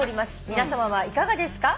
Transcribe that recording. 「皆さまはいかがですか？」